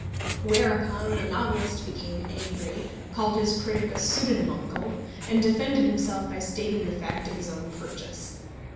Whereupon the novelist became angry, called his critic a pseudonymuncle, and defended himself by stating the fact of his own purchase.